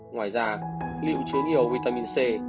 ngoài ra liệu chứa nhiều vitamin c